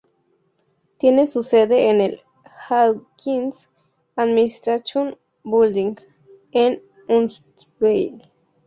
Tiene su sede en el "Hawkins Administration Building" en Huntsville.